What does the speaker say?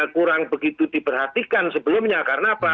kurang begitu diperhatikan sebelumnya karena apa